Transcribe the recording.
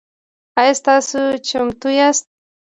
آیا تاسو چمتو یاست؟